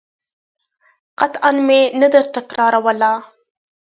قطعاً مې نه درتکراروله.